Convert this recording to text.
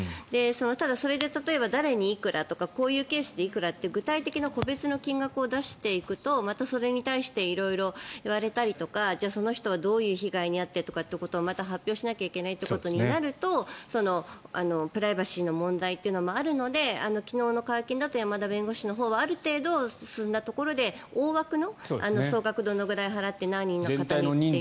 ただ、それで例えば誰にいくらとかこういうケースでいくらとか具体的な個別の金額を出していくとまたそれに対して色々言われたりとかじゃあその人はどういう被害に遭ってっていうことをまた発表しなきゃいけないということになるとプライバシーの問題もあるので昨日の会見だと山田弁護士のほうはある程度、進んだところで大枠の総額、どのぐらい払って何人の方にという。